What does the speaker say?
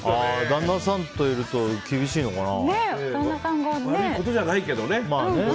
旦那さんといると厳しいのかな。